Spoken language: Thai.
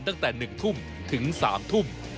ตั้งแต่๑ทุ่มถึง๓ทุ่ม